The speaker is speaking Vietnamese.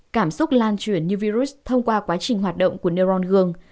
cảm xúc lan truyền như virus thông qua quá trình hoạt động của neuron gương